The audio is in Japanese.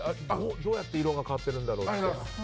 どうやって色が変わってるんだろうって。